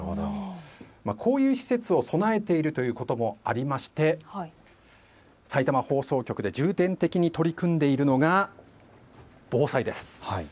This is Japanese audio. こういう施設を備えているということもありましてさいたま放送局で重点的に取り組んでいるのが防災です。